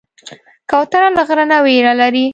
کوتره له غره نه ویره لري.